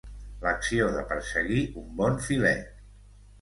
L'acció de perseguir un bon filet.